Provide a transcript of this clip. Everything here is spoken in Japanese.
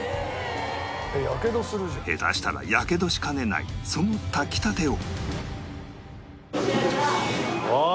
下手したらやけどしかねないその炊きたてを